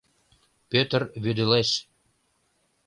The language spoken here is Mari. — Пӧтыр вӱдылеш.